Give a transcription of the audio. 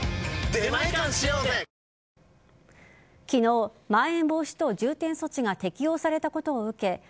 昨日、まん延防止等重点措置が適用されたことを受け